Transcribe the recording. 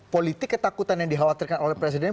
politik ketakutan yang dikhawatirkan oleh presiden